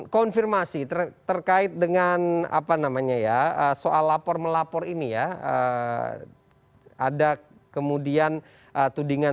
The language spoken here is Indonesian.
konfirmasi terkait dengan apa namanya ya soal lapor melapor ini ya ada kemudian tudingan